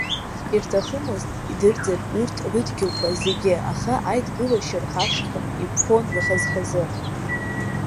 Ирҭахымызт идырӡыр урҭ рыдгьылқәа зегьы, аха аидгылашьа рхашҭхьан, иқәԥон хаз-хазы.